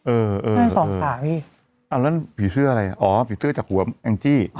เออนั่นว่าผิวเสื้ออะไรอ๋อผีเสื้อจากหัวแอลจี้